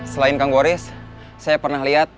selain kang goris saya pernah lihat